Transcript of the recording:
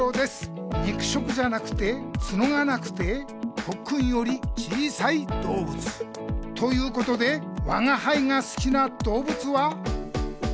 肉食じゃなくて角がなくてポッくんより小さい動物ということでわがはいが好きな動物は。